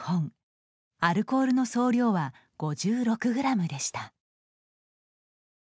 アルコールの総量は５６グラムでした。